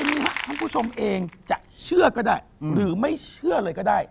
วันนี้ครับท่านผู้ชมเองจะเชื่อก็ได้หรือไม่เชื่อเลยก็ได้